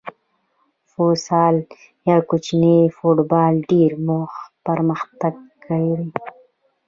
فوسال یا کوچنی فوټبال ډېر پرمختګ کړی.